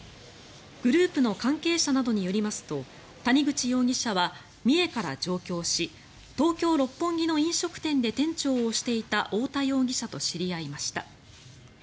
グループの関係者などによりますと谷口容疑者は、三重から上京し東京・六本木の飲食店で店長をしていた太田容疑者と知り合いました。